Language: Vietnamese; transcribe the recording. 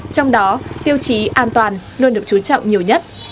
trong đó tiêu chí an toàn luôn được chú trọng nhiều nhất